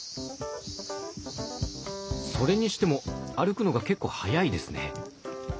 それにしても歩くのが結構速いですね。